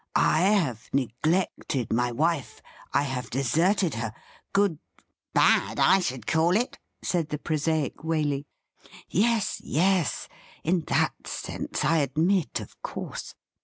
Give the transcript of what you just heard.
I have neglected my wife. I have deserted her. Good '' Bad, I should call it,' said the prosaic Waley. ' Yes, yes ; in that sense I admit, of course.